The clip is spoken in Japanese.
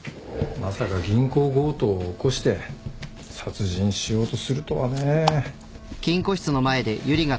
まさか銀行強盗を起こして殺人しようとするとはねえ。